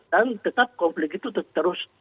dan tetap konflik itu terus